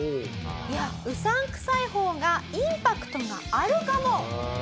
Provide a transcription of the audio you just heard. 「いやうさんくさい方がインパクトがあるかも！」。